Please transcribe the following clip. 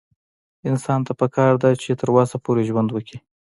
انسان ته پکار ده چې تر وسه پورې ژوند وکړي